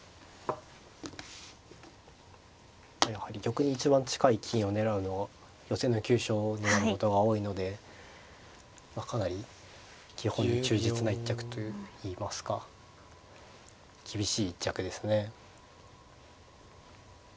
やはり玉に一番近い金を狙うのは寄せの急所になることが多いのでかなり基本に忠実な一着といいますか厳しい一着ですね。